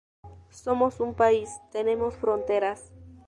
Somos un país, tenemos fronteras.